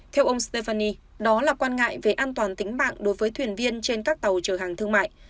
theo ông steveny đó là quan ngại về an toàn tính mạng đối với thuyền viên trên các tàu chở hàng thương mại